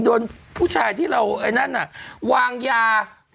โดนผู้ชายที่เราไอ้นั่นน่ะวางยา